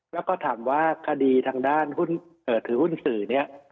แล้วก็ถามว่าคดีทางด้านถือหุ้นสื่อเนี่ย